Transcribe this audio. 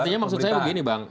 artinya maksud saya begini bang